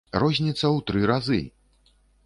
Розніца ў тры разы!